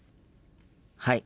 はい。